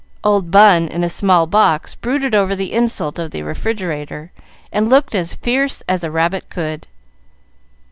Old Bun, in a small box, brooded over the insult of the refrigerator, and looked as fierce as a rabbit could.